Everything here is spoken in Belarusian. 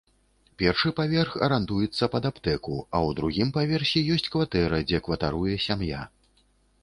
Першы паверх арандуецца пад аптэку, а ў другім паверсе есць кватэра, дзе кватаруе сям'я.